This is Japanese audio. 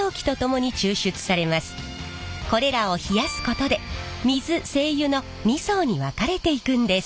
これらを冷やすことで水精油の２層に分かれていくんです。